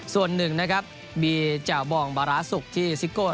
ส่วนหนึ่งนะครับมีแจ่วบองบาร้าสุกที่ซิโก้